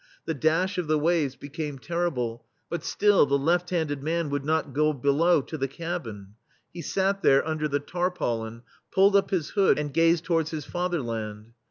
The dash of the waves be came terrible, but still the left handed man would not go below to the cabin — he sat there under the tarpaulin, pulled up his hood, and gazed towards his Fatherland.